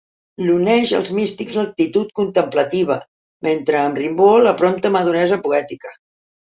L'uneix als místics l'actitud contemplativa, mentre amb Rimbaud la prompta maduresa poètica.